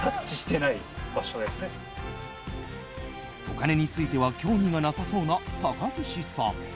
お金については興味がなさそうな高岸さん。